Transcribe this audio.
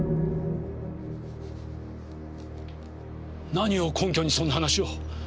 何を根拠にそんな話を？